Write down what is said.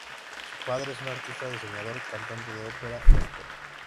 Su padre es un artista, diseñador, cantante de ópera y actor.